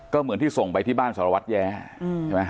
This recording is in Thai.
ก็เหมือนที่ส่งไปที่บ้านสรวจแย้